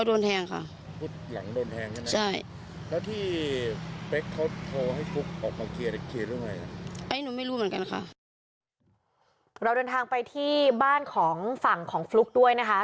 เดินทางไปที่บ้านของฝั่งของฟลุ๊กด้วยนะคะ